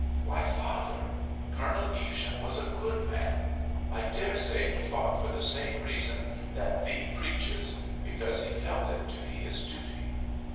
"Why, father! Colonel Evesham was a good man. I dare say he fought for the same reason that thee preaches, because he felt it to be his duty."